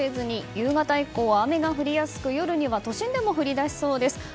夕方以降は雨が降りやすく夜には都心でも降り出しそうです。